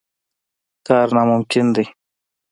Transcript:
کار ناممکن دی.